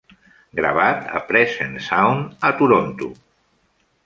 Gravat a Presence Sound a Toronto.